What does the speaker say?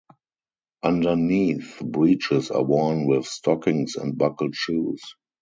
Underneath, breeches are worn with stockings and buckled shoes.